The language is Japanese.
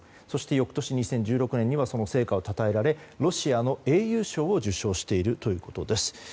そして翌年の２０１６年にはその成果をたたえられロシアの英雄賞を受賞しているということです。